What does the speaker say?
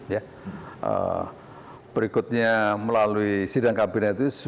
ya berikutnya melalui sidang kabinet itu sebuah informasi